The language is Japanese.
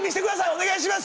お願いします！